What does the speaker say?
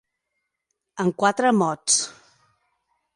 En quatre mots.